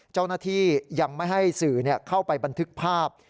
เจ้าหน้าที่ยังไม่ให้สื่อเข้าไปบันทึกภาพ